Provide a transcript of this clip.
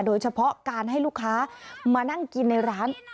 โดยเฉพาะการให้ลูกค้ามานั่งกินในร้าน